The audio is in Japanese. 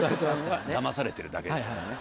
お客さんはだまされてるだけですからね。